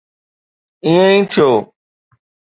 ائين ئي ٿيو.